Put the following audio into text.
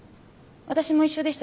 私も一緒でしたし